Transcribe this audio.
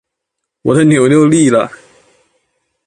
我的牛牛立了